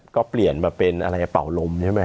ก็เปลี่ยนมาเป็นอะไรเป่าลมใช่ไหม